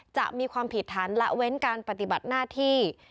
จะมีความผิดฐานละเว้นการปฏิบัติหน้าที่